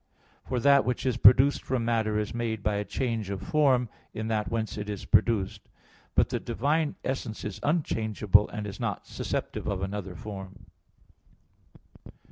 For that which is produced from matter, is made by a change of form in that whence it is produced. But the divine essence is unchangeable, and is not susceptive of another form.